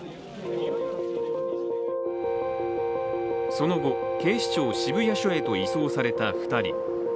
その後、警視庁渋谷署へと移送された２人。